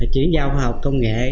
chuyển giao khoa học công nghệ